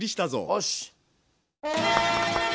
おし！